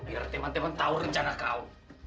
biar teman teman tahu rencana kau